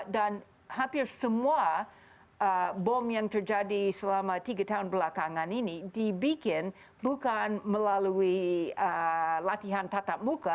dan hampir semua bom yang terjadi selama tiga tahun belakangan ini dibikin bukan melalui latihan tatap muka